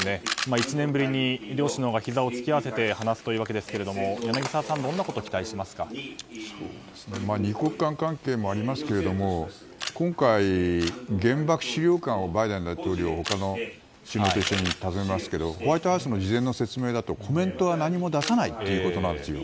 １年ぶりに両首脳がひざを突き合わせて話すということですが柳澤さん、どんなことを２国間関係もありますが今回、原爆資料館をバイデン大統領が訪問しますがホワイトハウスの事前の説明だとコメントは何も出さないという姿勢なんですよ。